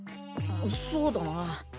そうだな。